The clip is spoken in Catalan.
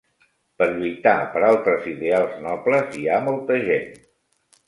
Per lluitar per altres ideals nobles hi ha molta gent.